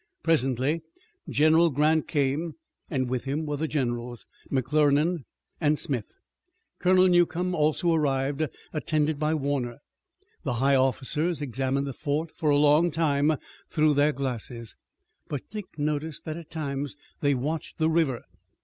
Presently General Grant came and with him were the generals, McClernand and Smith. Colonel Newcomb also arrived, attended by Warner. The high officers examined the fort a long time through their glasses, but Dick noticed that at times they watched the river.